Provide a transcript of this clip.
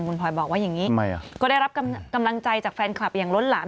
คุณพลอยบอกว่าอย่างนี้ก็ได้รับกำลังใจจากแฟนคลับอย่างล้นหลาม